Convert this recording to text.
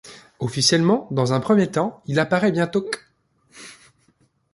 Officiellement dans un premier temps, il apparaît bientôt qu'.